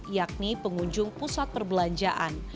yakni pengunjung pusat perbelanjaan